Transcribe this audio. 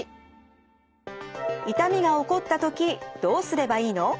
痛みが起こった時どうすればいいの？